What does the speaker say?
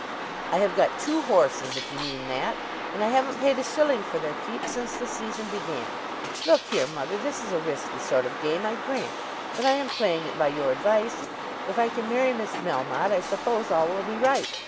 "I have got two horses, if you mean that; and I haven't paid a shilling for their keep since the season began. Look here, mother; this is a risky sort of game, I grant, but I am playing it by your advice. If I can marry Miss Melmotte, I suppose all will be right.